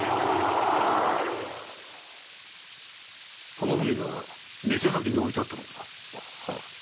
この文が店先に置いてあったのか？